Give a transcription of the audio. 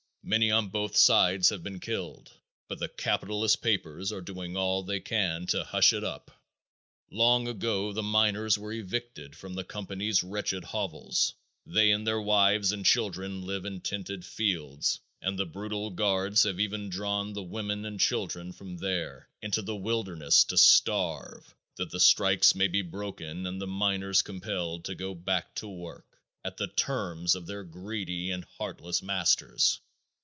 Many on both sides have been killed, but the capitalist papers are doing all they can to hush it up. Long ago the miners were evicted from the company's wretched hovels. They and their wives and children live in tented fields and the brutal guards have even driven the women and children from there into the wilderness to starve that the strike may be broken and the miners compelled to go back to work at the terms of their greedy and heartless masters.